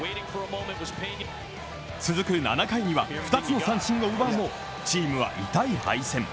続く７回には２つの三振を奪うもチームは痛い敗退。